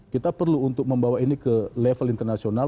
kita perlu untuk membawa ini ke level internasional